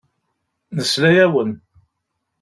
Nesla-awen.